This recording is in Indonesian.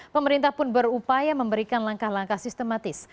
pemerintah pun berupaya memberikan langkah langkah sistematis